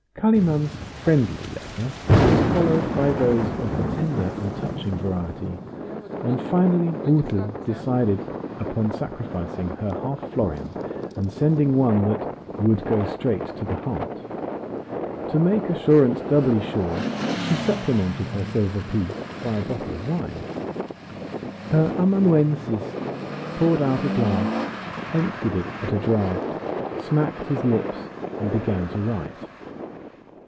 Kalimann's "friendly" letter was followed by those of the tender and touching variety, and finally Gutel decided upon sacrificing her half florin and sending one that "would go straight to the heart." To make assurance doubly sure she supplemented her silver piece by a bottle of wine. Her amanuensis poured out a glass, emptied it at a draught, smacked his lips, and began to write.